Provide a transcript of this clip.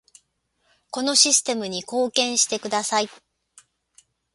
このシステムに貢献してください